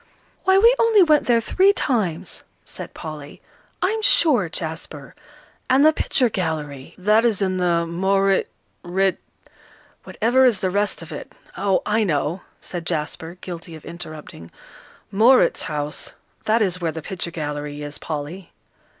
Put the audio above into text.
"Why, we only went there three times," said Polly, "I'm sure, Jasper. And the picture gallery " "That is in the Maurit rit, whatever is the rest of it? Oh, I know," said Jasper, guilty of interrupting, "Mauritshuis, that is where the picture gallery is, Polly."